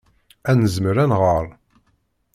Ad nezmer ad nɣer.